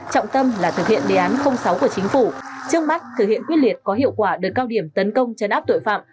trọng tâm là thực hiện đề án sáu của chính phủ trước mắt thực hiện quyết liệt có hiệu quả đợt cao điểm tấn công chấn áp tội phạm